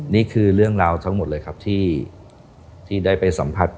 นี่คือเรื่องราวทั้งหมดเลยครับที่ได้ไปสัมผัส